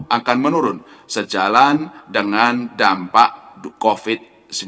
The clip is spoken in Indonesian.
akan menurun sejalan dengan dampak covid sembilan belas